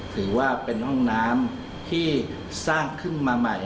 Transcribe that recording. ถือว่าเป็นห้องน้ำที่สร้างขึ้นมาใหม่